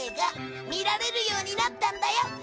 見られるようになったんだよ